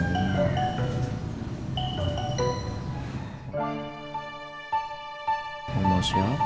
di yang heck